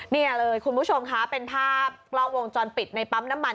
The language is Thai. นี่เลยคุณผู้ชมคะเป็นภาพกล้องวงจรปิดในปั๊มน้ำมัน